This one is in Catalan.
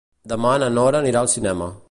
Demà na Nora anirà al cinema.